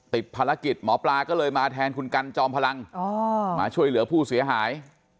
ติดภารกิจหมอปลาก็เลยมาแทนคุณกันจอมพลังมาช่วยเหลือผู้เสียหาย